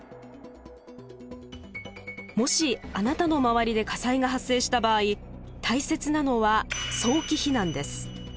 もしあなたの周りで火災が発生した場合大切なのは早期避難です。